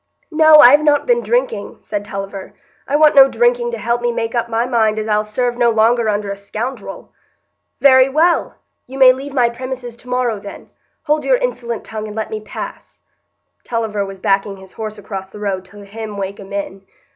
"No, I've not been drinking," said Tulliver; "I want no drinking to help me make up my mind as I'll serve no longer under a scoundrel." "Very well! you may leave my premises to morrow, then; hold your insolent tongue and let me pass." (Tulliver was backing his horse across the road to hem Wakem in.)